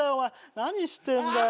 何してんだよ。